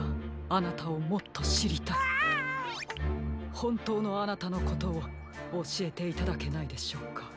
ほんとうのあなたのことをおしえていただけないでしょうか？